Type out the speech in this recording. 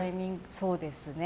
そうですね。